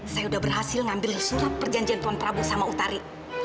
saya udah berhasil ngambil surat perjanjian tuan prabu sama utari